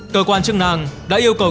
cơ quan chức năng đã yêu cầu